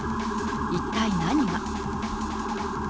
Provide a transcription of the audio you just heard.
一体何が。